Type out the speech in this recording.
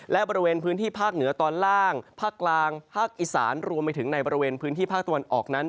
และบริเวณพื้นที่ภาคเหนือตอนล่างภาคกลางภาคอีสานรวมไปถึงในบริเวณพื้นที่ภาคตะวันออกนั้น